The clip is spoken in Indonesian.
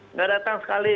nggak datang sekali